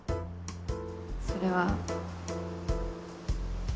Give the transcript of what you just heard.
それは。